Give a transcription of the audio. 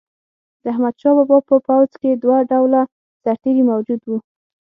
د احمدشاه بابا په پوځ کې دوه ډوله سرتیري موجود وو.